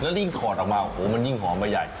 แล้วเรียงขอดออกมาโอ้โฮมันยิ่งหอมไปใหญ่